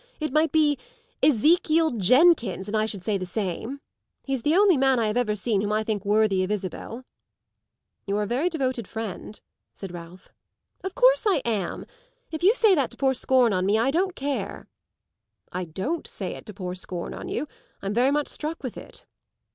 It might be Ezekiel Jenkins, and I should say the same. He's the only man I have ever seen whom I think worthy of Isabel." "You're a very devoted friend," said Ralph. "Of course I am. If you say that to pour scorn on me I don't care." "I don't say it to pour scorn on you; I'm very much struck with it."